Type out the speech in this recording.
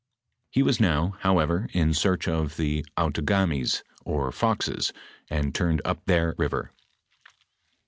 He was now, however, in search of tbe Outagamis, or Foxes, and turned up their river.